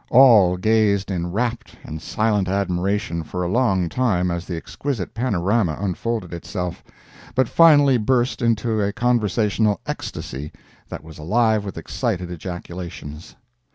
All gazed in rapt and silent admiration for a long time as the exquisite panorama unfolded itself, but finally burst into a conversational ecstasy that was alive with excited ejaculations.